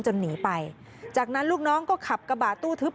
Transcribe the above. หนีไปจากนั้นลูกน้องก็ขับกระบาดตู้ทึบ